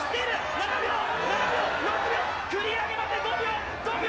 ７秒、７秒、６秒、繰り上げまで５秒、５秒。